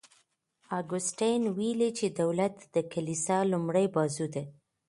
اګوستین ویلي چي دولت د کلیسا لومړی بازو دی.